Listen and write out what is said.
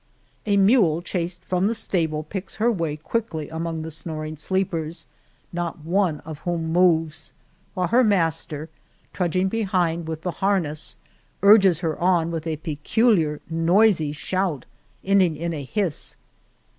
A mule chased from the stable picks her way quickly among the snoring sleepers, not one of whom moves, while her master, trudging behind with the harness, urges her on with a peculiar noisy shout ending in a hiss.